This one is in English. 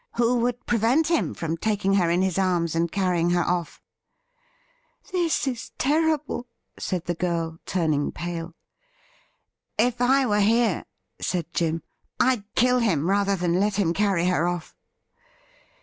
Who would prevent him from taking her in his arms and carrying her off ?'' This is terrible !' said the girl, turning pale. ,' If I were here,' said Jim, ' I'd kill him rather than let him carry her off.'